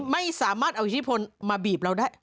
ไม่สามารถเอาอิทธิพลมาบีบเราได้